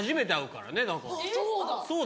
そうだ。